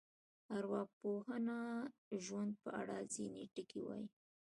ارواپوهنه د ژوند په اړه ځینې ټکي وایي.